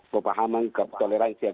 kepahaman kekoleransi agama